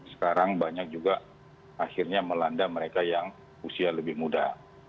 sekarang banyak juga akhirnya melanda mereka yang usia lebih muda